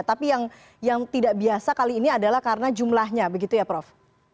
tapi yang tidak biasa kali ini adalah karena jumlahnya begitu ya prof